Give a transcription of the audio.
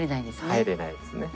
入れないですね。